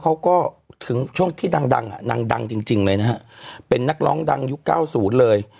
เขาก็ถึงช่วงที่ดังดังจริงเลยนะฮะเป็นนักร้องดังยุค๙๐เลย